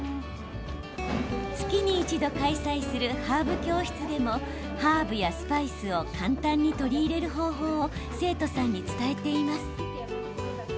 月に一度開催するハーブ教室でもハーブやスパイスを簡単に取り入れる方法を生徒さんに伝えています。